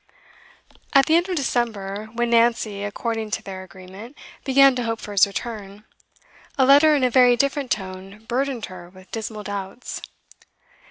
At the end of December, when Nancy, according to their agreement, began to hope for his return, a letter in a very different tone burdened her with dismal doubts.